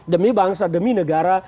demi bangsa demi negara